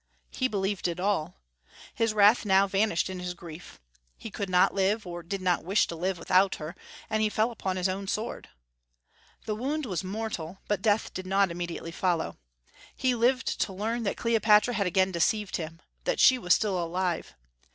He believed it all. His wrath now vanished in his grief. He could not live, or did not wish to live, without her; and he fell upon his own sword. The wound was mortal, but death did not immediately follow. He lived to learn that Cleopatra had again deceived him, that she was still alive.